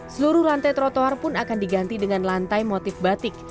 seluruh lantai trotoar pun akan diganti dengan lantai motif batik